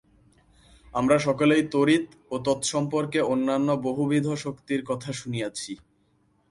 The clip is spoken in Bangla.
আমরা সকলেই তড়িৎ ও তৎসম্পর্কে অন্যান্য বহুবিধ শক্তির কথা শুনিয়াছি।